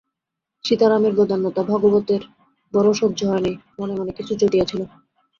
সীতারামের বদান্যতা ভাগবতের বড়ো সহ্য হয় নাই, মনে মনে কিছু চটিয়াছিল।